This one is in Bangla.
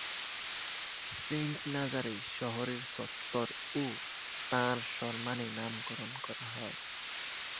সেন্ট নাজারে শহরের চত্বরও তাঁর সম্মানে নামকরণ করা হয়।